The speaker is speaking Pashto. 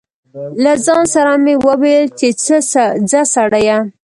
له ځان سره مې و ویل چې ځه سړیه.